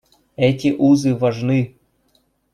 Эти узы важны.